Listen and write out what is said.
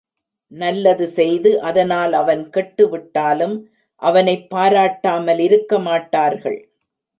நல்லது செய்து அதனால் அவன் கெட்டு விட்டாலும் அவனைப் பாராட்டாமல் இருக்கமாட்டார்கள்.